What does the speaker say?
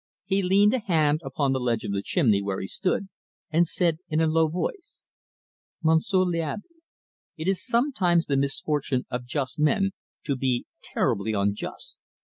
He leaned a hand upon the ledge of the chimney where he stood, and said, in a low voice: "Monsieur l'Abbe, it is sometimes the misfortune of just men to be terribly unjust.